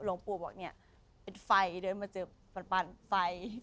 หลวงปู่บอกเนี่ยเป็นไฟเดินมาเจอปันไฟ